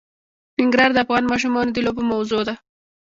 ننګرهار د افغان ماشومانو د لوبو موضوع ده.